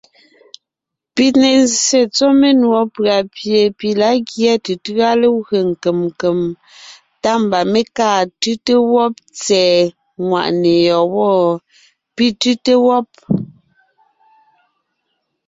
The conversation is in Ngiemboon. Pi ne zsé tsɔ́ menùɔ pʉ̀a pie pi lǎ gyɛ́ tʉtʉ́a legwé nkem, tá mba mé kaa tʉ́te wɔ́b tsɛ̀ɛ nwàʼne yɔ́ɔn wɔ́? pi tʉ́te wɔ́b.